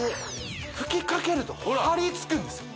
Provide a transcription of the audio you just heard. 吹きかけるとはりつくんですよ